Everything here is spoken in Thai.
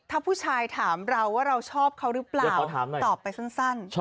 ถ้าผู้ชายถามเราว่าเราชอบเขาหรือเปล่าตอบไปสั้น